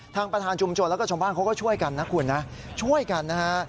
ทางประธานชุมชนแล้วก็ชาวบ้านเขาก็ช่วยกันนะคุณนะช่วยกันนะฮะ